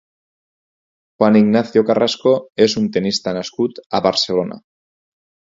Juan Ignacio Carrasco és un tennista nascut a Barcelona.